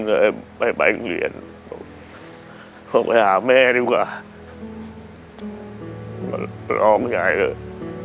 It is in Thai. ก็ทิ้งเลยไปเรียนก็ไปหาแม่ดีกว่าลองใหญ่เลย